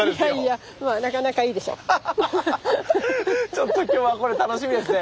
ちょっと今日はこれ楽しみですね。